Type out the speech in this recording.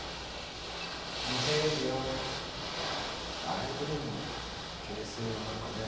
だいぶでも形勢は何かね。